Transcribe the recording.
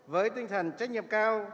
với tinh thần trách nhiệm cao